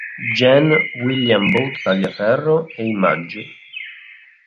Gen. William Booth Taliaferro e i Magg.